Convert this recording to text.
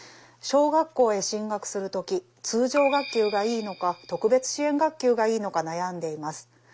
「小学校へ進学する時通常学級がいいのか特別支援学級がいいのか悩んでいます。